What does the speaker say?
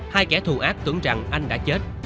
hai kẻ thù ác tưởng rằng anh đã chết